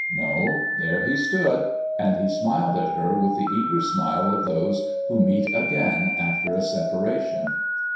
No, there he stood; and he smiled at her with the eager smile of those who meet again after a separation.